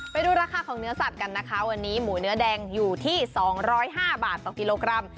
ไปดูราคาของเนื้อสัตว์กันนะคะวันนี้หมูเนื้อแดงอยู่ที่๒๐๕บาทต่อกิโลกรัม